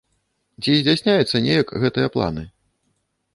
Ці здзяйсняюцца неяк гэтыя планы?